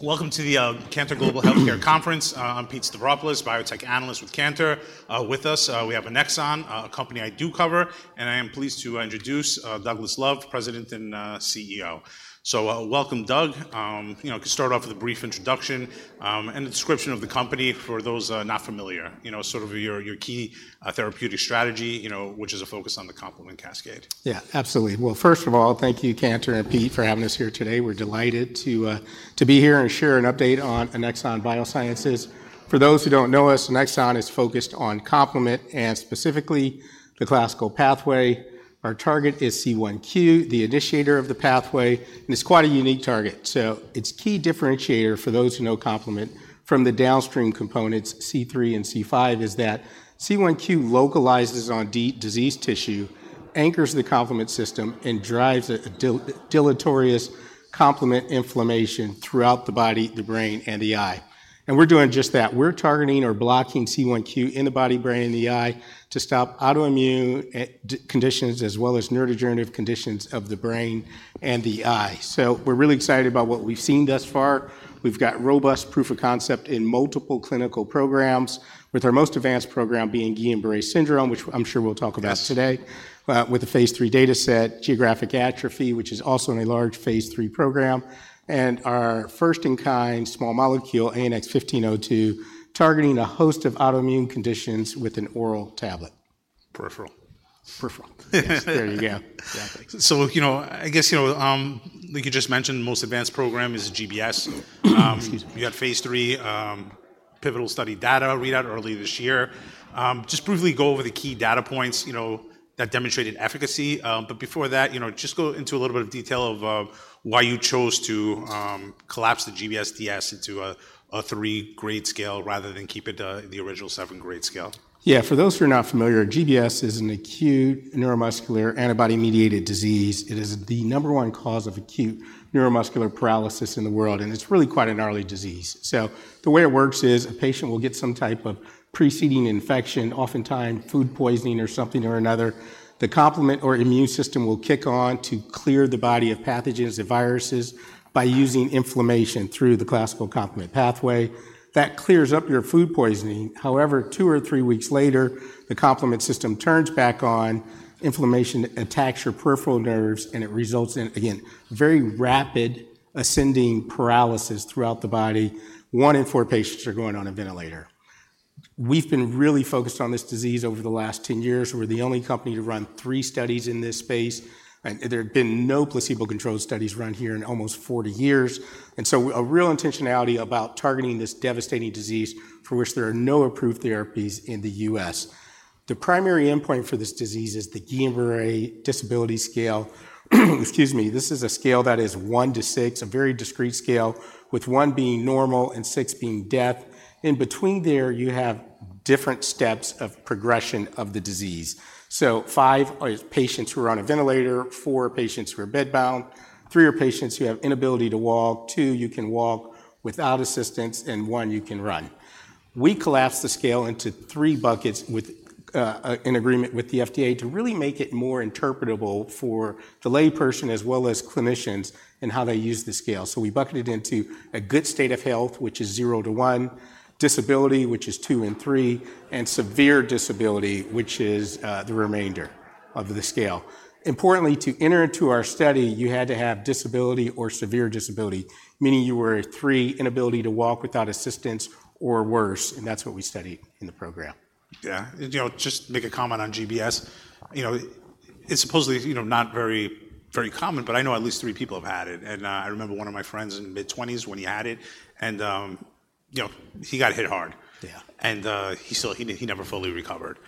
Welcome to the Cantor Global Healthcare Conference. I'm Pete Stavropoulos, Biotech Analyst with Cantor. With us, we have Annexon, a company I do cover, and I am pleased to introduce Douglas Love, President and CEO. So, welcome, Doug. You know, could start off with a brief introduction and a description of the company for those not familiar. You know, sort of your key therapeutic strategy, you know, which is a focus on the complement cascade. Yeah, absolutely. Well, first of all, thank you, Cantor and Pete, for having us here today. We're delighted to be here and share an update on Annexon Biosciences. For those who don't know us, Annexon is focused on complement, and specifically the classical pathway. Our target is C1q, the initiator of the pathway, and it's quite a unique target. So its key differentiator, for those who know complement, from the downstream components, C3 and C5, is that C1q localizes on diseased tissue, anchors the complement system, and drives a deleterious complement inflammation throughout the body, the brain, and the eye. And we're doing just that. We're targeting or blocking C1q in the body, brain, and the eye to stop autoimmune conditions, as well as neurodegenerative conditions of the brain and the eye. So we're really excited about what we've seen thus far. We've got robust proof of concept in multiple clinical programs, with our most advanced program being Guillain-Barré syndrome, which I'm sure we'll talk about today. With the phase III data set, geographic atrophy, which is also in a large phase III program, and our first-in-class small molecule, ANX1502, targeting a host of autoimmune conditions with an oral tablet. Peripheral. Peripheral. There you go. Exactly. You know, I guess, you know, like you just mentioned, the most advanced program is GBS. You got phase III pivotal study data readout earlier this year. Just briefly go over the key data points, you know, that demonstrated efficacy, but before that, you know, just go into a little bit of detail of why you chose to collapse the GBS DS into a three-grade scale, rather than keep it the original seven-grade scale. Yeah. For those who are not familiar, GBS is an acute neuromuscular antibody-mediated disease. It is the number one cause of acute neuromuscular paralysis in the world, and it's really quite a gnarly disease. So the way it works is, a patient will get some type of preceding infection, oftentimes food poisoning or something or another. The complement or immune system will kick on to clear the body of pathogens and viruses by using inflammation through the classical complement pathway. That clears up your food poisoning. However, two or three weeks later, the complement system turns back on, inflammation attacks your peripheral nerves, and it results in, again, very rapid ascending paralysis throughout the body. One in four patients are going on a ventilator. We've been really focused on this disease over the last 10 years. We're the only company to run three studies in this space, and there have been no placebo-controlled studies run here in almost 40 years, and so a real intentionality about targeting this devastating disease, for which there are no approved therapies in the U.S. The primary endpoint for this disease is the Guillain-Barré Disability Scale. Excuse me. This is a scale that is one to six, a very discrete scale, with one being normal and six being death. In between there, you have different steps of progression of the disease, so five is patients who are on a ventilator, four, patients who are bedbound, three are patients who have inability to walk, two, you can walk without assistance, and one, you can run. We collapsed the scale into three buckets with in agreement with the FDA to really make it more interpretable for the layperson as well as clinicians in how they use the scale. So we bucketed it into a good state of health, which is zero to one, disability, which is two and three, and severe disability, which is the remainder of the scale. Importantly, to enter into our study, you had to have disability or severe disability, meaning you were a three, inability to walk without assistance or worse, and that's what we studied in the program. Yeah. You know, just make a comment on GBS. You know, it's supposedly, you know, not very, very common, but I know at least three people have had it, and I remember one of my friends in mid-twenties when he had it, and you know, he got hit hard. Yeah. And, he never fully recovered,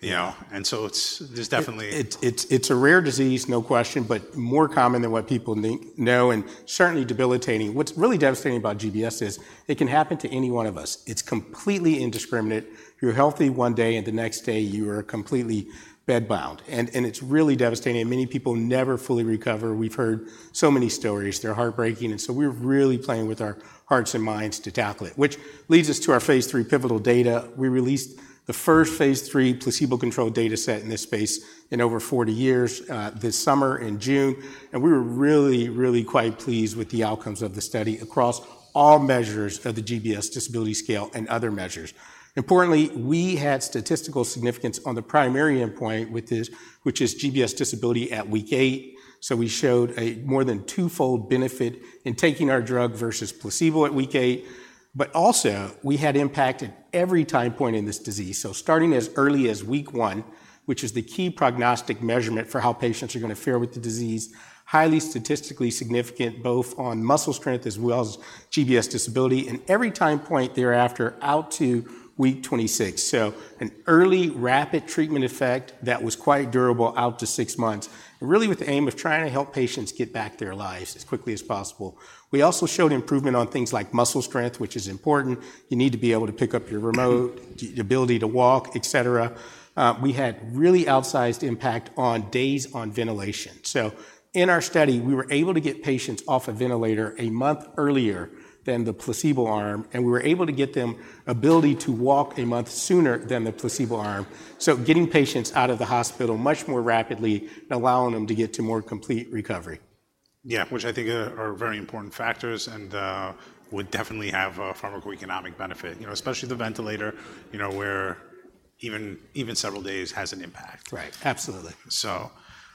you know? And so there's definitely- It's a rare disease, no question, but more common than what people know, and certainly debilitating. What's really devastating about GBS is it can happen to any one of us. It's completely indiscriminate. You're healthy one day, and the next day you are completely bedbound, and it's really devastating, and many people never fully recover. We've heard so many stories. They're heartbreaking, and so we're really playing with our hearts and minds to tackle it, which leads us to our phase III pivotal data. We released the first phase III placebo-controlled data set in this space in over 40 years, this summer in June, and we were really, really quite pleased with the outcomes of the study across all measures of the GBS Disability Scale and other measures. Importantly, we had statistical significance on the primary endpoint with this, which is GBS disability at week eight, so we showed a more than twofold benefit in taking our drug versus placebo at week eight. But also, we had impact at every time point in this disease. So starting as early as week one, which is the key prognostic measurement for how patients are going to fare with the disease, highly statistically significant, both on muscle strength as well as GBS disability, and every time point thereafter out to week 26. So an early, rapid treatment effect that was quite durable out to six months, really with the aim of trying to help patients get back their lives as quickly as possible. We also showed improvement on things like muscle strength, which is important. You need to be able to pick up your remote, the ability to walk, et cetera. We had really outsized impact on days on ventilation. So in our study, we were able to get patients off a ventilator a month earlier than the placebo arm, and we were able to get them ability to walk a month sooner than the placebo arm. So getting patients out of the hospital much more rapidly and allowing them to get to more complete recovery. Yeah, which I think are very important factors and would definitely have a pharmacoeconomic benefit, you know, especially the ventilator, you know, where even several days has an impact. Right. Absolutely. So,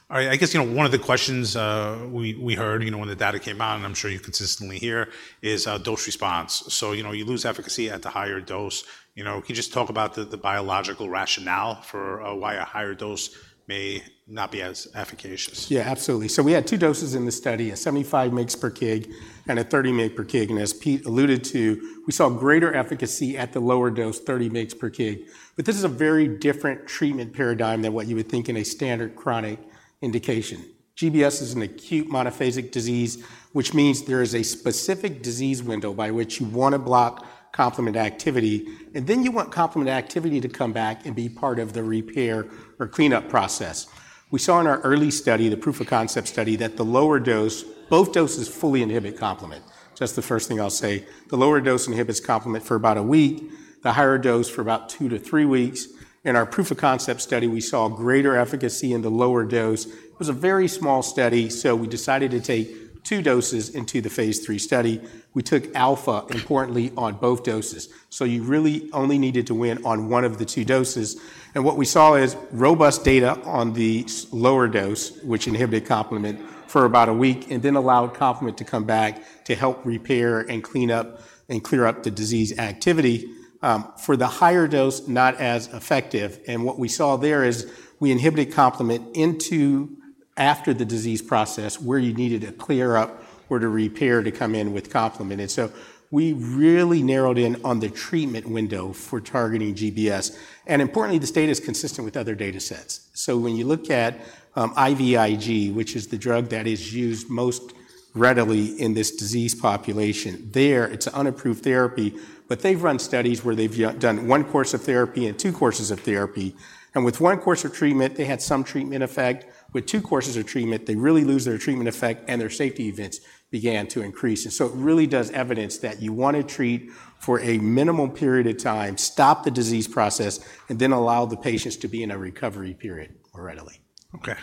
all right, I guess, you know, one of the questions we heard, you know, when the data came out, and I'm sure you consistently hear, is dose response. So, you know, you lose efficacy at the higher dose. You know, can you just talk about the biological rationale for why a higher dose may not be as efficacious? Yeah, absolutely. So we had two doses in the study, a 75 mg per kg and a 30 mg per kg. And as Pete alluded to, we saw greater efficacy at the lower dose, 30 mg per kg. But this is a very different treatment paradigm than what you would think in a standard chronic indication. GBS is an acute monophasic disease, which means there is a specific disease window by which you want to block complement activity, and then you want complement activity to come back and be part of the repair or cleanup process. We saw in our early study, the proof of concept study, that the lower dose, both doses fully inhibit complement. So that's the first thing I'll say. The lower dose inhibits complement for about a week, the higher dose for about two to three weeks. In our proof of concept study, we saw greater efficacy in the lower dose. It was a very small study, so we decided to take two doses into the phase III study. We took alpha, importantly, on both doses. So you really only needed to win on one of the two doses. And what we saw is robust data on the lower dose, which inhibited complement for about a week and then allowed complement to come back to help repair and clean up, and clear up the disease activity. Um, for the higher dose, not as effective, and what we saw there is we inhibited complement into after the disease process, where you needed to clear up or to repair to come in with complement. And so we really narrowed in on the treatment window for targeting GBS. And importantly, this data is consistent with other data sets. So when you look at IVIG, which is the drug that is used most readily in this disease population, there it's an unapproved therapy, but they've run studies where they've done one course of therapy and two courses of therapy. And with one course of treatment, they had some treatment effect. With two courses of treatment, they really lose their treatment effect, and their safety events began to increase. And so it really does evidence that you want to treat for a minimum period of time, stop the disease process, and then allow the patients to be in a recovery period more readily. Okay.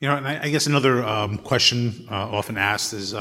You know, and I guess another question often asked is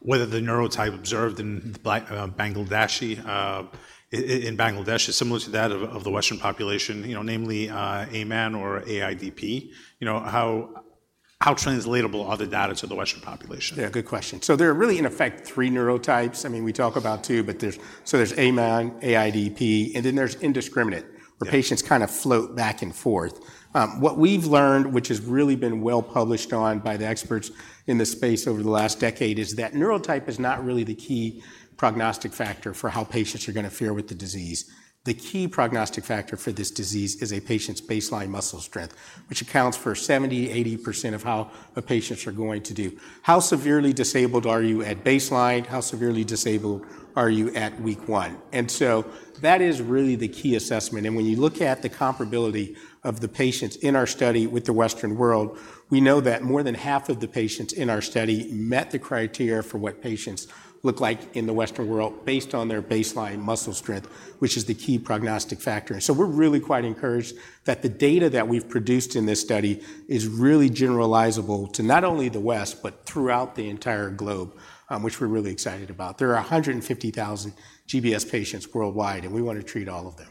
whether the neurotype observed in the Bangladeshi in Bangladesh is similar to that of the Western population, you know, namely, AMAN or AIDP. You know, how translatable are the data to the Western population? Yeah, good question. So there are really, in effect, three neurotypes. I mean, we talk about two, but there's... So there's AMAN, AIDP, and then there's indeterminate- Yeah... where patients kind of float back and forth. What we've learned, which has really been well published on by the experts in this space over the last decade, is that neurotype is not really the key prognostic factor for how patients are gonna fare with the disease. The key prognostic factor for this disease is a patient's baseline muscle strength, which accounts for 70%-80% of how the patients are going to do. How severely disabled are you at baseline? How severely disabled are you at week one? And so that is really the key assessment. When you look at the comparability of the patients in our study with the Western world, we know that more than half of the patients in our study met the criteria for what patients look like in the Western world based on their baseline muscle strength, which is the key prognostic factor. We're really quite encouraged that the data that we've produced in this study is really generalizable to not only the West, but throughout the entire globe, which we're really excited about. There are 150,000 GBS patients worldwide, and we want to treat all of them.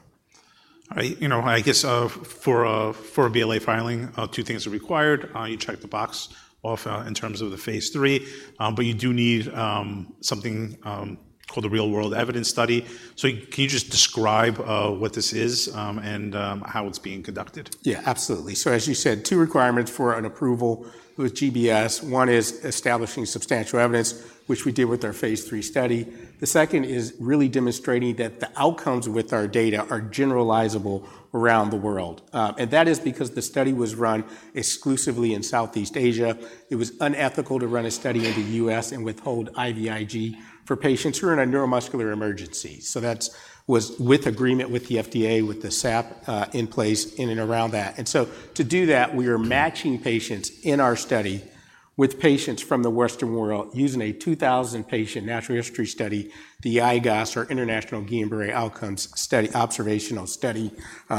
All right. You know, I guess, for a BLA filing, two things are required. You check the box off in terms of the phase III, but you do need something called a real-world evidence study. So can you just describe what this is, and how it's being conducted? Yeah, absolutely. So as you said, two requirements for an approval with GBS. One is establishing substantial evidence, which we did with our phase III study. The second is really demonstrating that the outcomes with our data are generalizable around the world. And that is because the study was run exclusively in Southeast Asia. It was unethical to run a study in the U.S. and withhold IVIG for patients who are in a neuromuscular emergency. So that was with agreement with the FDA, with the SAP in place in and around that. And so to do that, we are matching patients in our study with patients from the Western world using a 2,000-patient natural history study, the IGOS, or International Guillain-Barré Outcomes Study, Observational Study.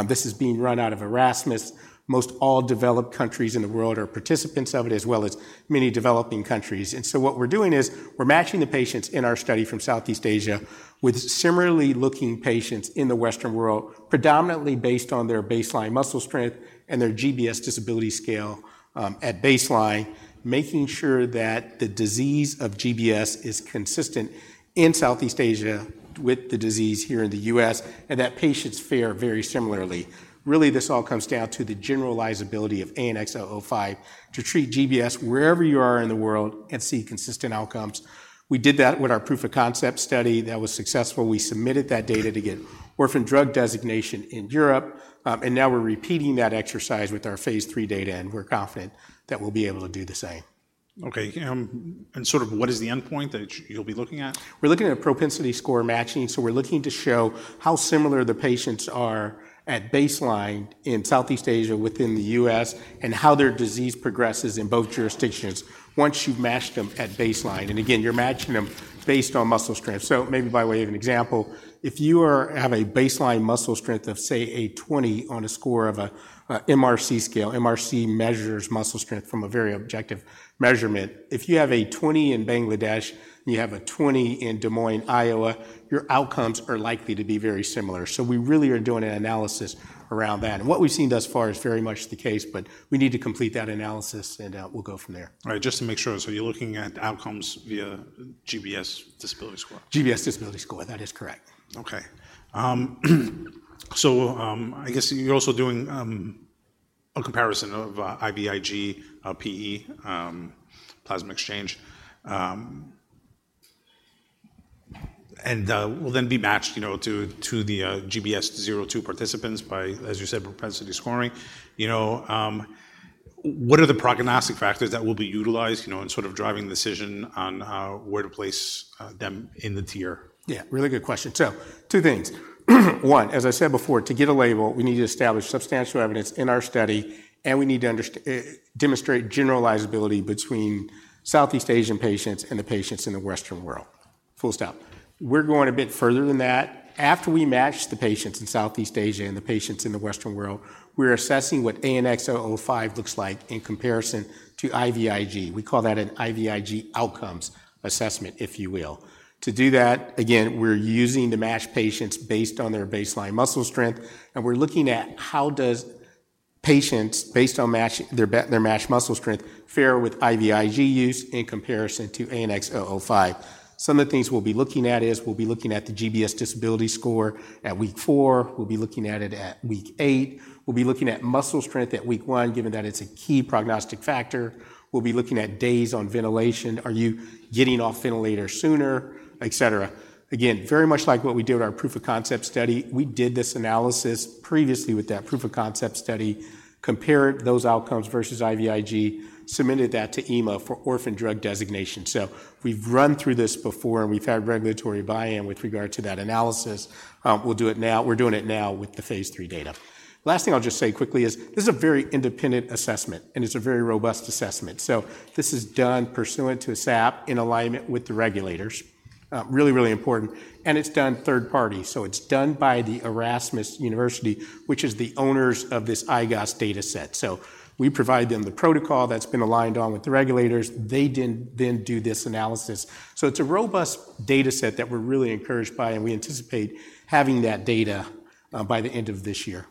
This is being run out of Erasmus. Most all developed countries in the world are participants of it, as well as many developing countries, and so what we're doing is we're matching the patients in our study from Southeast Asia with similarly looking patients in the Western world, predominantly based on their baseline muscle strength and their GBS Disability Scale at baseline, making sure that the disease of GBS is consistent in Southeast Asia with the disease here in the U.S., and that patients fare very similarly. Really, this all comes down to the generalizability of ANX005 to treat GBS wherever you are in the world and see consistent outcomes. We did that with our proof of concept study. That was successful. We submitted that data to get orphan drug designation in Europe, and now we're repeating that exercise with our phase III data, and we're confident that we'll be able to do the same. Okay, and sort of what is the endpoint that you'll be looking at? We're looking at a propensity score matching, so we're looking to show how similar the patients are at baseline in Southeast Asia within the U.S., and how their disease progresses in both jurisdictions once you've matched them at baseline. Again, you're matching them based on muscle strength. Maybe by way of an example, if you have a baseline muscle strength of, say, a 20 on a score of a MRC scale. MRC measures muscle strength from a very objective measurement. If you have a 20 in Bangladesh, and you have a 20 in Des Moines, Iowa, your outcomes are likely to be very similar. We really are doing an analysis around that. What we've seen thus far is very much the case, but we need to complete that analysis, and we'll go from there. All right, just to make sure, so you're looking at outcomes via GBS Disability Score? GBS Disability Score, that is correct. Okay, so I guess you're also doing a comparison of IVIG, PE, plasma exchange, and will then be matched, you know, to the GBS-02 participants by, as you said, propensity score matching. You know, what are the prognostic factors that will be utilized, you know, in sort of driving the decision on where to place them in the tier? Yeah, really good question. So two things. One, as I said before, to get a label, we need to establish substantial evidence in our study, and we need to demonstrate generalizability between Southeast Asian patients and the patients in the Western world. Full stop. We're going a bit further than that. After we match the patients in Southeast Asia and the patients in the Western world, we're assessing what ANX005 looks like in comparison to IVIG. We call that an IVIG outcomes assessment, if you will. To do that, again, we're using the matched patients based on their baseline muscle strength, and we're looking at how does patients, based on matching, their matched muscle strength, fare with IVIG use in comparison to ANX005. Some of the things we'll be looking at is, we'll be looking at the GBS disability score at week four, we'll be looking at it at week eight. We'll be looking at muscle strength at week one, given that it's a key prognostic factor. We'll be looking at days on ventilation. Are you getting off ventilator sooner? Et cetera. Again, very much like what we did with our proof of concept study. We did this analysis previously with that proof of concept study, compared those outcomes versus IVIG, submitted that to EMA for orphan drug designation. So we've run through this before, and we've had regulatory buy-in with regard to that analysis. We'll do it now, we're doing it now with the phase III data. Last thing I'll just say quickly is, this is a very independent assessment, and it's a very robust assessment. This is done pursuant to a SAP in alignment with the regulators. Really, really important, and it's done third party. It's done by the Erasmus University, which is the owners of this IGOS dataset. We provide them the protocol that's been aligned on with the regulators. They then do this analysis. It's a robust dataset that we're really encouraged by, and we anticipate having that data by the end of this year.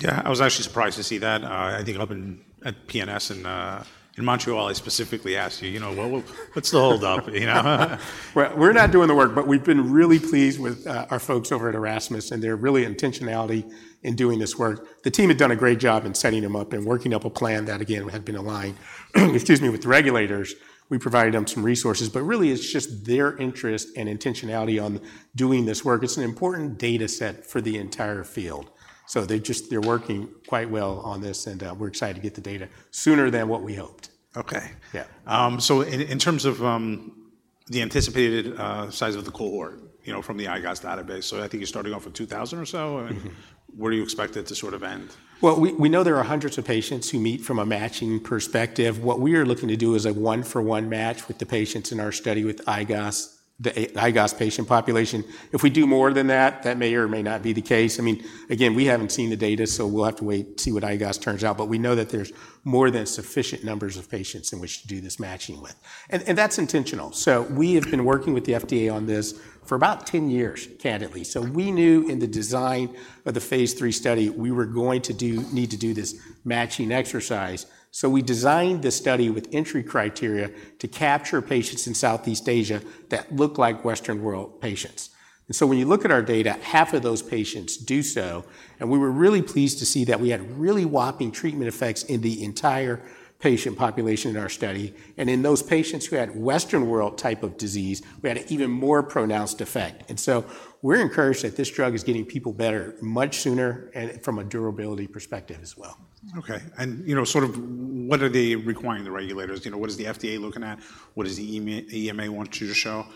Yeah, I was actually surprised to see that. I think up in, at PNS in, in Montreal, I specifically asked you, "You know, what, what's the hold up?" You know? We're not doing the work, but we've been really pleased with our folks over at Erasmus, and their really intentionality in doing this work. The team had done a great job in setting them up and working up a plan that, again, had been aligned, excuse me, with the regulators. We provided them some resources, but really, it's just their interest and intentionality on doing this work. It's an important dataset for the entire field. So they just, they're working quite well on this, and we're excited to get the data sooner than what we hoped. Okay. Yeah. So in terms of the anticipated size of the cohort, you know, from the IGOS database. So I think you're starting off with two thousand or so? I mean, where do you expect it to sort of end? We know there are hundreds of patients who meet from a matching perspective. What we are looking to do is a one-for-one match with the patients in our study with IGOS, the IGOS patient population. If we do more than that, that may or may not be the case. I mean, again, we haven't seen the data, so we'll have to wait to see what IGOS turns out. But we know that there's more than sufficient numbers of patients in which to do this matching with, and that's intentional, so we have been working with the FDA on this for about 10 years, candidly. We knew in the design of the phase III study we were going to need to do this matching exercise, so we designed this study with entry criteria to capture patients in Southeast Asia that look like Western world patients. And so when you look at our data, half of those patients do so, and we were really pleased to see that we had really whopping treatment effects in the entire patient population in our study. And in those patients who had Western world type of disease, we had an even more pronounced effect. And so we're encouraged that this drug is getting people better much sooner and from a durability perspective as well. Okay. And, you know, sort of what are they requiring, the regulators? You know, what is the FDA looking at? What does the EMA want you to show?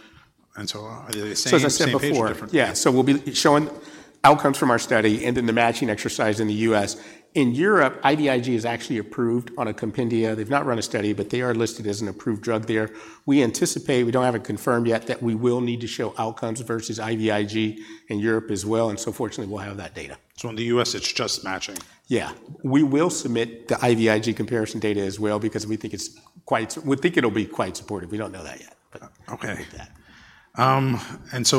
And so, are they the same page or different? We'll be showing outcomes from our study and then the matching exercise in the U.S. In Europe, IVIG is actually approved on a compendia. They've not run a study, but they are listed as an approved drug there. We anticipate, we don't have it confirmed yet, that we will need to show outcomes versus IVIG in Europe as well, and so fortunately, we'll have that data. So in the U.S., it's just matching? Yeah. We will submit the IVIG comparison data as well because we think it's quite - we think it'll be quite supportive. We don't know that yet, but- Okay. And so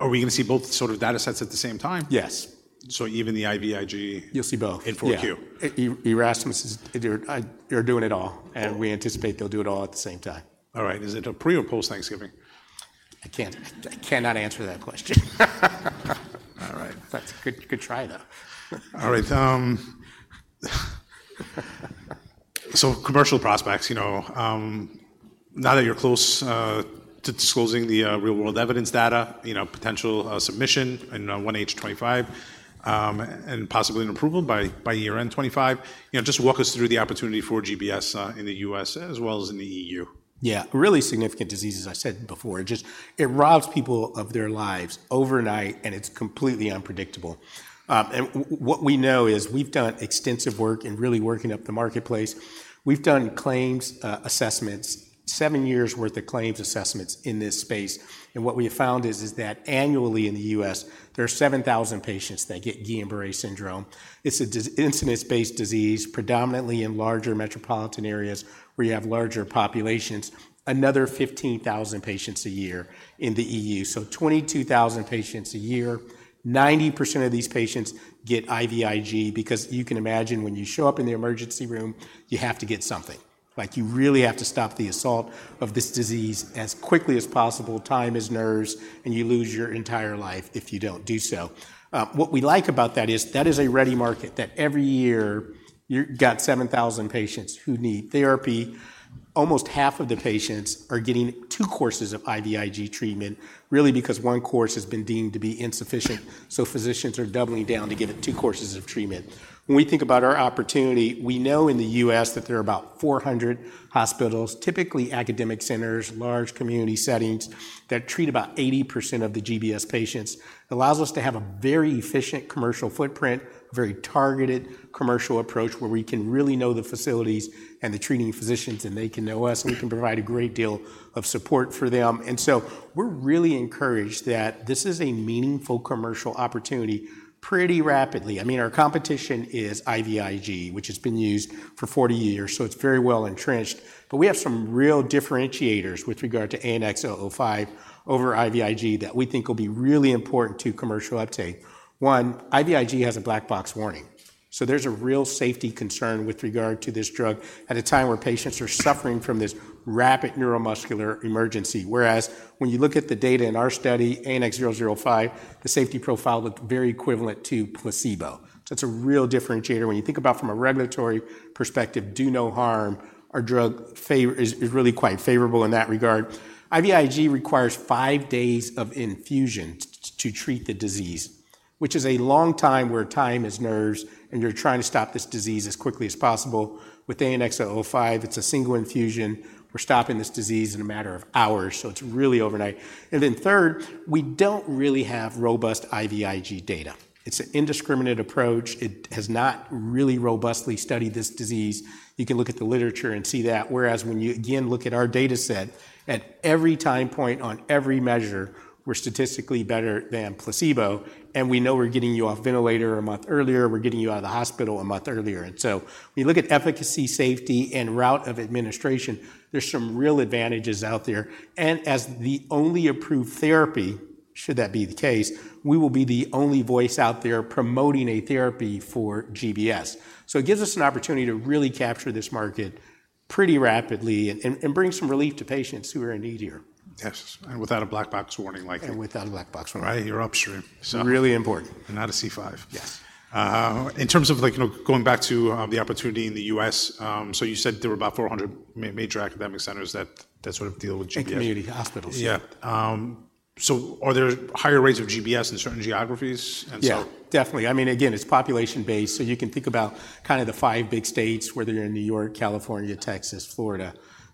are we going to see both sort of datasets at the same time? Yes. So even the IVIG- You'll see both. In 4Q? Yeah. Erasmus is... They're doing it all, and we anticipate they'll do it all at the same time. All right. Is it a pre or post Thanksgiving? I cannot answer that question. All right. That's a good, good try, though. All right, so commercial prospects, you know. Now that you're close to disclosing the real-world evidence data, you know, potential submission in 1H 2025, and possibly an approval by year-end 2025. You know, just walk us through the opportunity for GBS in the U.S. as well as in the E.U. Yeah, really significant disease, as I said before. It just robs people of their lives overnight, and it's completely unpredictable. And what we know is we've done extensive work in really working up the marketplace. We've done claims assessments, seven years' worth of claims assessments in this space, and what we have found is that annually in the U.S., there are seven thousand patients that get Guillain-Barré syndrome. It's an incidence-based disease, predominantly in larger metropolitan areas where you have larger populations, another fifteen thousand patients a year in the E.U. So twenty-two thousand patients a year, 90% of these patients get IVIG because you can imagine when you show up in the emergency room, you have to get something. Like, you really have to stop the assault of this disease as quickly as possible. Time is nerves, and you lose your entire life if you don't do so. What we like about that is that is a ready market, that every year, you've got seven thousand patients who need therapy. Almost half of the patients are getting two courses of IVIG treatment, really because one course has been deemed to be insufficient, so physicians are doubling down to give it two courses of treatment. When we think about our opportunity, we know in the U.S. that there are about four hundred hospitals, typically academic centers, large community settings, that treat about 80% of the GBS patients. Allows us to have a very efficient commercial footprint, a very targeted commercial approach, where we can really know the facilities and the treating physicians, and they can know us, and we can provide a great deal of support for them. We're really encouraged that this is a meaningful commercial opportunity pretty rapidly. I mean, our competition is IVIG, which has been used for 40 years, so it's very well entrenched. But we have some real differentiators with regard to ANX005 over IVIG that we think will be really important to commercial uptake. One, IVIG has a black box warning, so there's a real safety concern with regard to this drug at a time where patients are suffering from this rapid neuromuscular emergency. Whereas when you look at the data in our study, ANX005, the safety profile looked very equivalent to placebo. So that's a real differentiator. When you think about from a regulatory perspective, do no harm, our drug is really quite favorable in that regard. IVIG requires five days of infusion to treat the disease, which is a long time, where time is nerves, and you're trying to stop this disease as quickly as possible. With ANX005, it's a single infusion. We're stopping this disease in a matter of hours, so it's really overnight. And then third, we don't really have robust IVIG data. It's an indiscriminate approach. It has not really robustly studied this disease. You can look at the literature and see that, whereas when you, again, look at our data set, at every time point on every measure, we're statistically better than placebo, and we know we're getting you off ventilator a month earlier, we're getting you out of the hospital a month earlier. And so when you look at efficacy, safety, and route of administration, there's some real advantages out there. As the only approved therapy, should that be the case, we will be the only voice out there promoting a therapy for GBS. It gives us an opportunity to really capture this market pretty rapidly and bring some relief to patients who are in need here. Yes, and without a black box warning like- Without a Black Box Warning. Right, you're upstream. Really important. And not a C5. Yes. In terms of, like, you know, going back to the opportunity in the U.S., so you said there were about four hundred major academic centers that sort of deal with GBS. Community hospitals. Yeah, so are there higher rates of GBS in certain geographies? And so- Yeah, definitely. I mean, again, it's population-based, so you can think about kind of the five big states, whether you're in New York, California, Texas, Florida,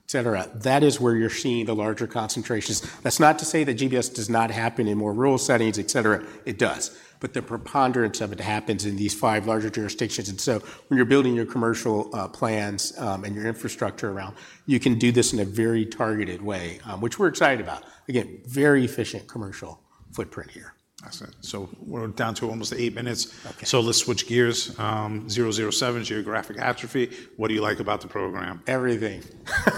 et cetera. That is where you're seeing the larger concentrations. That's not to say that GBS does not happen in more rural settings, et cetera. It does, but the preponderance of it happens in these five larger jurisdictions. And so when you're building your commercial plans, and your infrastructure around, you can do this in a very targeted way, which we're excited about. Again, very efficient commercial footprint here. Excellent. So we're down to almost eight minutes. Okay. So let's switch gears. ANX007, Geographic Atrophy. What do you like about the program? Everything.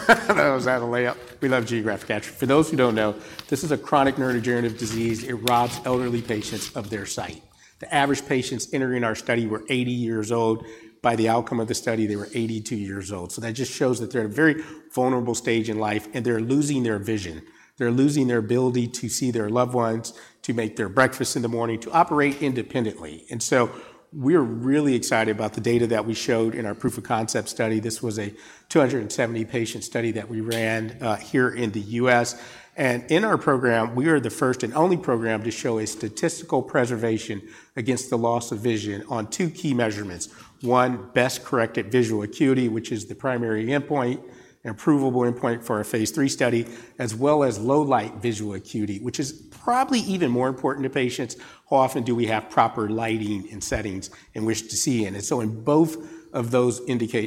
That was out of the layup. We love Geographic Atrophy. For those who don't know, this is a chronic neurodegenerative disease. It robs elderly patients of their sight. The average patients entering our study were 80 years old. By the outcome of the study, they were 82 years old. So that just shows that they're at a very vulnerable stage in life, and they're losing their vision. They're losing their ability to see their loved ones, to make their breakfast in the morning, to operate independently. And so we're really excited about the data that we showed in our proof of concept study. This was a 270-patient study that we ran here in the U.S. And in our program, we are the first and only program to show a statistical preservation against the loss of vision on two key measurements. One, best-corrected visual acuity, which is the primary endpoint and approvable endpoint for our phase III study, as well as low light visual acuity, which is probably even more important to patients. How often do we have proper lighting in settings in which to see in? And so in both of those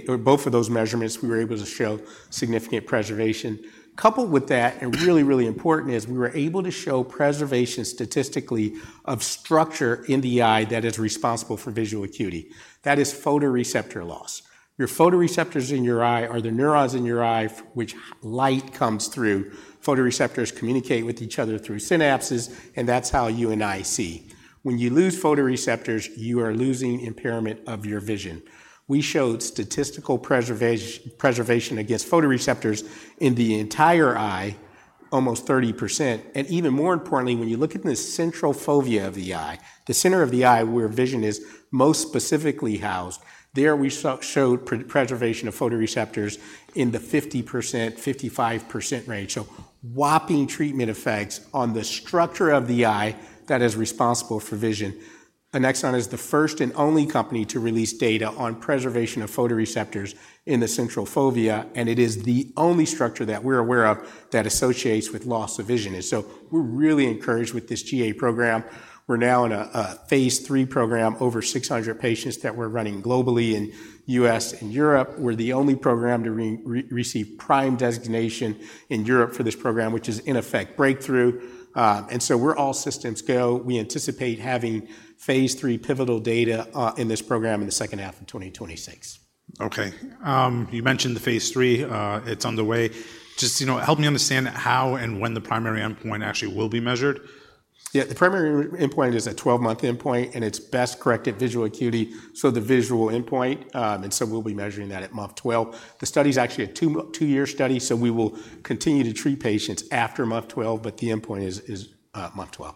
or both of those measurements, we were able to show significant preservation. Coupled with that, and really, really important is we were able to show preservation statistically of structure in the eye that is responsible for visual acuity. That is photoreceptor loss. Your photoreceptors in your eye are the neurons in your eye, which light comes through. Photoreceptors communicate with each other through synapses, and that's how you and I see. When you lose photoreceptors, you are losing impairment of your vision. We showed statistical preservation against photoreceptors in the entire eye, almost 30%. Even more importantly, when you look at the central fovea of the eye, the center of the eye, where vision is most specifically housed, there we showed preservation of photoreceptors in the 50%-55% range. Whopping treatment effects on the structure of the eye that is responsible for vision. Annexon is the first and only company to release data on preservation of photoreceptors in the central fovea, and it is the only structure that we're aware of that associates with loss of vision. We're really encouraged with this GA program. We're now in a phase III program, over 600 patients that we're running globally in the U.S. and Europe. We're the only program to receive PRIME designation in Europe for this program, which is, in effect, breakthrough. We're all systems go. We anticipate having phase III pivotal data in this program in the second half of 2026. Okay, you mentioned the phase III, it's on the way. Just, you know, help me understand how and when the primary endpoint actually will be measured? Yeah, the primary endpoint is a 12-month endpoint, and it's best corrected visual acuity, so the visual endpoint, and so we'll be measuring that at month 12. The study is actually a two-year study, so we will continue to treat patients after month 12, but the endpoint is month 12.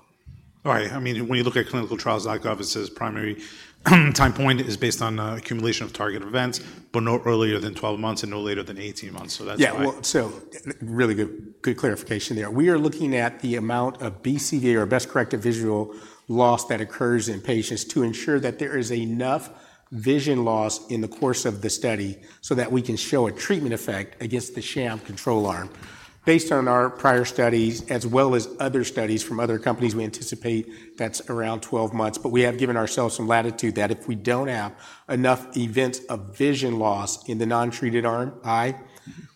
All right. I mean, when you look at clinicaltrials.gov, it says primary time point is based on accumulation of target events, but no earlier than 12 months and no later than 18 months. That's why- Yeah. Well, so really good, good clarification there. We are looking at the amount of BCVA or best-corrected visual acuity that occurs in patients to ensure that there is enough vision loss in the course of the study so that we can show a treatment effect against the sham control arm. Based on our prior studies, as well as other studies from other companies, we anticipate that's around 12 months, but we have given ourselves some latitude that if we don't have enough events of vision loss in the non-treated arm, eye,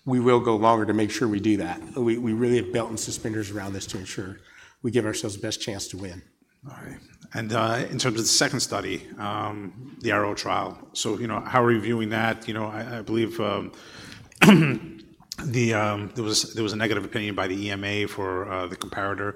we will go longer to make sure we do that. We really have belt-and-suspenders around this to ensure we give ourselves the best chance to win. All right. In terms of the second study, the RO trial. You know, how are you viewing that? You know, I believe there was a negative opinion by the EMA for the comparator.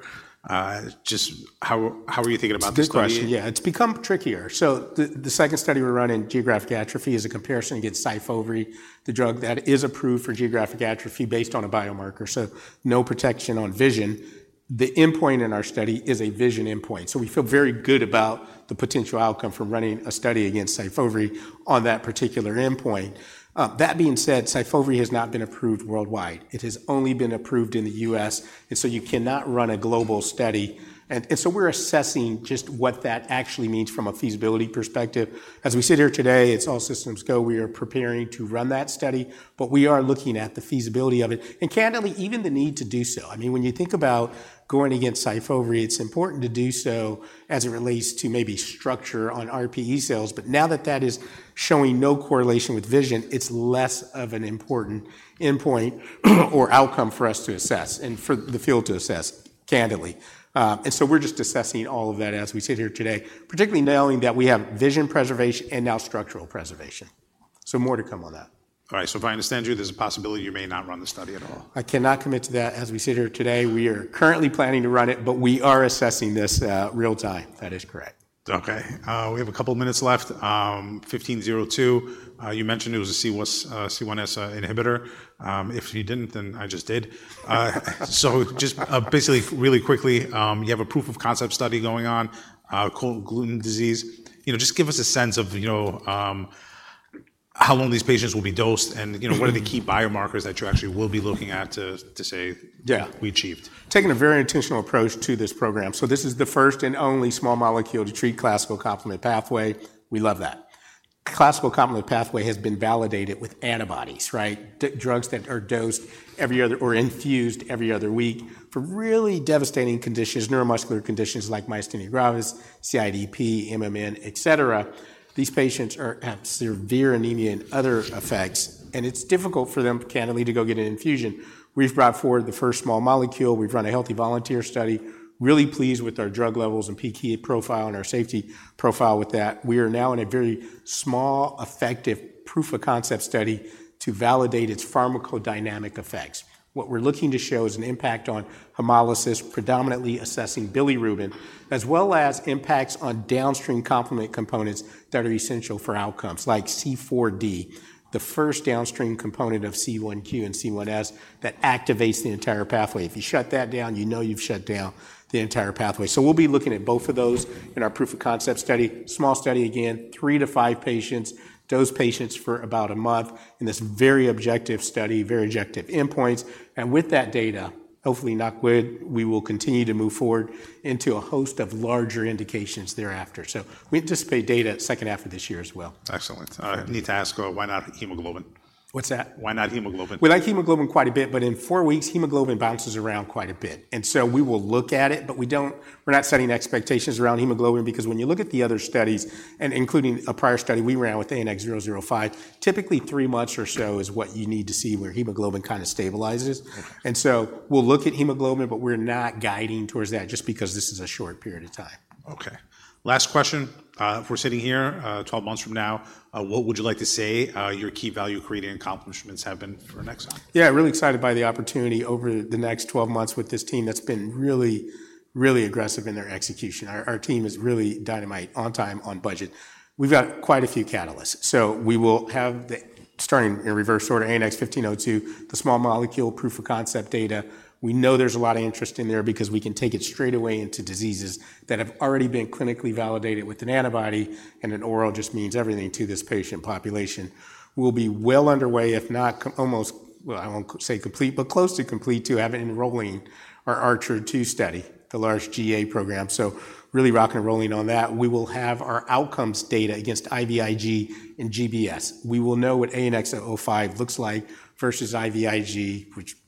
Just how are you thinking about this study? Good question. Yeah, it's become trickier. So the second study we're running, Geographic Atrophy, is a comparison against Syfovre, the drug that is approved for Geographic Atrophy based on a biomarker, so no protection on vision. The endpoint in our study is a vision endpoint, so we feel very good about the potential outcome from running a study against Syfovre on that particular endpoint. That being said, Syfovre has not been approved worldwide. It has only been approved in the U.S., and so you cannot run a global study. And so we're assessing just what that actually means from a feasibility perspective. As we sit here today, it's all systems go. We are preparing to run that study, but we are looking at the feasibility of it and, candidly, even the need to do so. I mean, when you think about going against Syfovre, it's important to do so as it relates to maybe structure on RPE cells, but now that that is showing no correlation with vision, it's less of an important endpoint or outcome for us to assess and for the field to assess, candidly, and so we're just assessing all of that as we sit here today, particularly knowing that we have vision preservation and now structural preservation, so more to come on that. All right. So if I understand you, there's a possibility you may not run the study at all? I cannot commit to that. As we sit here today, we are currently planning to run it, but we are assessing this, real time. That is correct. Okay, we have a couple of minutes left, ANX1502. You mentioned it was a C1s inhibitor. If you didn't, then I just did. So just, basically, really quickly, you have a proof of concept study going on, cold agglutinin disease. You know, just give us a sense of, you know, how long these patients will be dosed and, you know, what are the key biomarkers that you actually will be looking at to, to say- Yeah... we achieved. Taking a very intentional approach to this program. So this is the first and only small molecule to treat classical complement pathway. We love that. Classical complement pathway has been validated with antibodies, right? These drugs that are dosed every other week or infused every other week for really devastating conditions, neuromuscular conditions like myasthenia gravis, CIDP, MMN, et cetera. These patients have severe anemia and other effects, and it's difficult for them, candidly, to go get an infusion. We've brought forward the first small molecule. We've run a healthy volunteer study, really pleased with our drug levels and PK profile and our safety profile with that. We are now in a very small, effective proof of concept study to validate its pharmacodynamic effects. What we're looking to show is an impact on hemolysis, predominantly assessing bilirubin, as well as impacts on downstream complement components that are essential for outcomes like C4d, the first downstream component of C1q and C1s that activates the entire pathway. If you shut that down, you know you've shut down the entire pathway. So we'll be looking at both of those in our proof of concept study. Small study, again, three to five patients, dose patients for about a month in this very objective study, very objective endpoints. And with that data, hopefully good, we will continue to move forward into a host of larger indications thereafter. So we anticipate data second half of this year as well. Excellent. Yeah. I need to ask, why not hemoglobin? What's that? Why not hemoglobin? We like hemoglobin quite a bit, but in four weeks, hemoglobin bounces around quite a bit, and so we will look at it, but we're not setting expectations around hemoglobin because when you look at the other studies and including a prior study we ran with ANX005, typically three months or so is what you need to see where hemoglobin kind of stabilizes. We'll look at hemoglobin, but we're not guiding towards that just because this is a short period of time. Okay. Last question. If we're sitting here 12 months from now, what would you like to say your key value-creating accomplishments have been for Annexon? Yeah, really excited by the opportunity over the next 12 months with this team that's been really, really aggressive in their execution. Our team is really dynamite, on time, on budget. We've got quite a few catalysts, so we will have the, starting in reverse order, ANX1502, the small molecule proof of concept data. We know there's a lot of interest in there because we can take it straight away into diseases that have already been clinically validated with an antibody, and an oral just means everything to this patient population. We'll be well underway, if not almost, well, I won't say complete, but close to complete to have it enrolling our ARCHER II study, the large GA program. So really rock and rolling on that. We will have our outcomes data against IVIG and GBS. We will know what ANX005 looks like versus IVIG, which first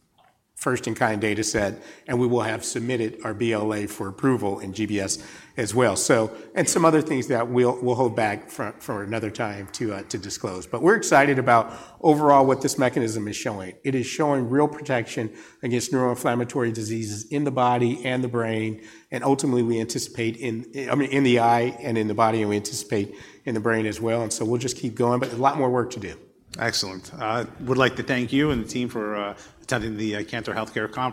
in kind data set, and we will have submitted our BLA for approval in GBS as well. So, and some other things that we'll hold back for another time to disclose. But we're excited about overall what this mechanism is showing. It is showing real protection against neuroinflammatory diseases in the body and the brain, and ultimately, we anticipate in, I mean, in the eye and in the body, and we anticipate in the brain as well, and so we'll just keep going. But a lot more work to do. Excellent. I would like to thank you and the team for attending the Cantor Healthcare Conference.